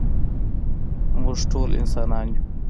مونږ ټول انسانان يو.